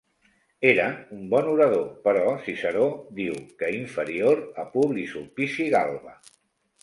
Era un bon orador però Ciceró diu que inferior a Publi Sulpici Galba.